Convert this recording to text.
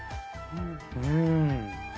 うん。